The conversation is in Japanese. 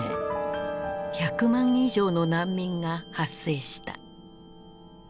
１００万以上の難民が発生した。